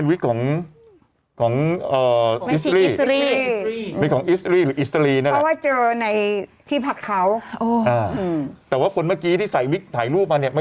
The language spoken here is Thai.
นี่คนที่ตกมาหาผมเพียงใครรู้ไหม